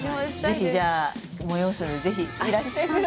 ぜひじゃあ催すのでぜひいらしてください。